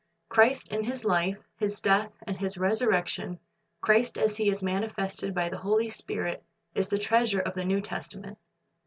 Christ in His life. His death, and His resurrection, Christ as He is manifested by the Holy Spirit, is the treasure of the New Testament.